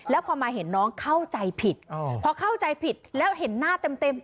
แล้วพอมาเห็นน้องเข้าใจผิดพอเข้าใจผิดแล้วเห็นหน้าเต็ม